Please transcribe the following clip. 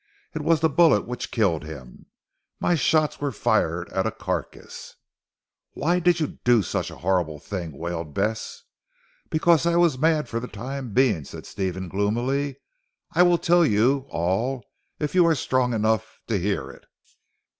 It was the bullet which killed him. My shots were fired at a carcase." "Why did you do such a horrible thing?" wailed Bess. "Because I was mad for the time being," said Stephen gloomily, "I will tell you all if you are strong enough to hear it."